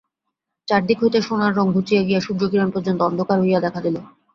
চার দিক হইতে সোনার রঙ ঘুচিয়া গিয়া সূর্যকিরণ পর্যন্ত অন্ধকার হইয়া দেখা দিল।